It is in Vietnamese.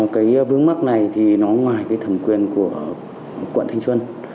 cái vướng mắt này thì nó ngoài cái thẩm quyền của quận thanh xuân